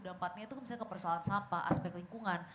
dampaknya itu misalnya ke persoalan sampah aspek lingkungan